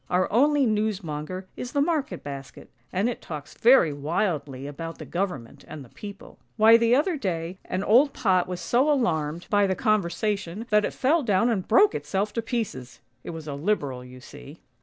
Our only newsmonger is the market basket, and it talks very wildly about the Government and the People. Why the other day an old pot was so alarmed by the conversa THE FLYING TRUNK 29 tion, that it fell down and broke itself to pieces! It was a Liberal you see!